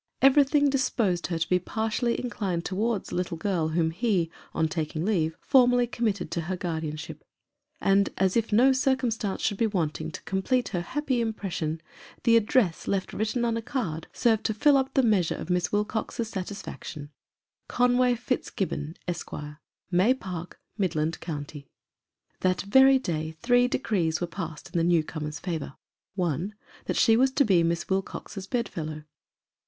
Everything disposed her to be partially inclined towards the little girl whom he, on taking leave, formally com mitted to her guardianship ; and as if no circumstance should be wanting to complete her happy impression, the address left written on a card served to fill up the measure of Miss Wilcox's satisfaction Conway Fitzgibbon, Esq., May Park, Midland County. That very day three decrees were passed in the new comer's favor : 1st. That she was to be Miss Wilcox's bed fellow.